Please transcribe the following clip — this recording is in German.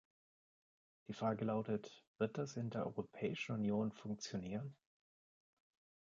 Die Frage lautet, wird das in der Europäischen Union funktionieren?